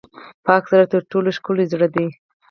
پاک زړه تر ټولو ښکلی زړه دی.